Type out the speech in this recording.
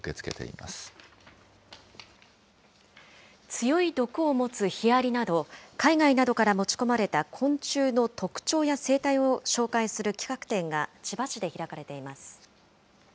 強い毒を持つヒアリなど、海外などから持ち込まれた昆虫の特徴や生態を紹介する企画展が、千葉市で開かれています。